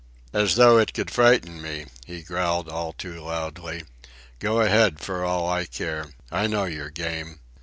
"As though it could fright me," he growled all too loudly. "Go ahead for all I care. I know your game.